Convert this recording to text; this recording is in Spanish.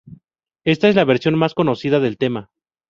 Esta es la versión más conocida del tema.